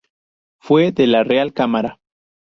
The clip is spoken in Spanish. Fue de la Real Cámara.